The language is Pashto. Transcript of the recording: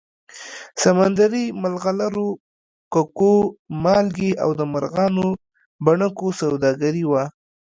سمندري مرغلرو، ککو، مالګې او د مرغانو بڼکو سوداګري وه